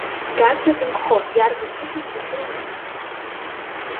Гагра дынхон, иарбан ҭыԥыз рыздыруамызт.